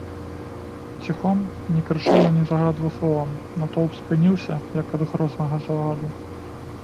Ціхом, не крычаў і не загадваў словам, натоўп спыніўся, як ад грознага загаду.